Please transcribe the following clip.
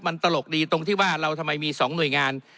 มันตลกดีตรงที่ว่าเราทำไมมี๒หน่วยงาน